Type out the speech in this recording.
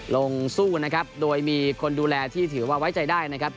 ลงสู้นะครับโดยมีคนดูแลที่ถือว่าไว้ใจได้นะครับ